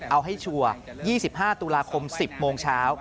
เอาให้ชัวร์๒๕ตุลาคม๑๐โมงเช้า